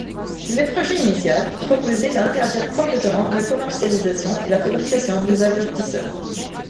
Le projet initial proposait d'interdire complètement la commercialisation et la fabrication des avertisseurs.